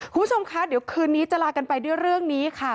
คุณผู้ชมคะเดี๋ยวคืนนี้จะลากันไปด้วยเรื่องนี้ค่ะ